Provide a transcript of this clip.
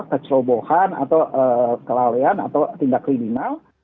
kecerobohan atau kelalaian atau tindak kriminal